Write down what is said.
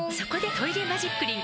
「トイレマジックリン」